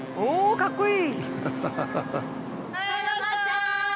かっこいい！